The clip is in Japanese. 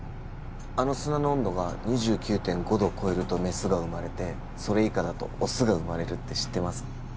あの砂の温度が２９．５度を超えるとメスが生まれてそれ以下だとオスが生まれるって知ってます？